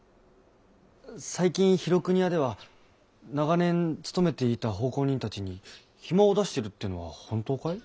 最近廣國屋では長年勤めていた奉公人たちに暇を出しているっていうのは本当かい？